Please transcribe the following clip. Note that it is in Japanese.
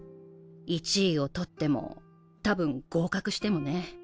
１位を取ってもたぶん合格してもね。